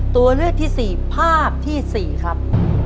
ตัวเลือกที่๔ภาพที่๔ครับ